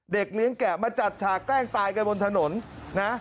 เด็กเลี้ยงแก่มาจัดฉากแต้งตายกันบนถนน